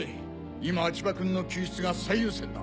今は千葉君の救出が最優先だ。